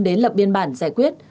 đến lập biên bản giải quyết